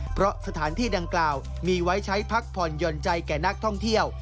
เพราะสถานที่ดังกล่าวมีไว้ใช้พักผ่อนหย่อนใจแก่นักท่องเที่ยว